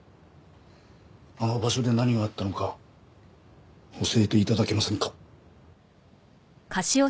あの場所で何があったのか教えて頂けませんか？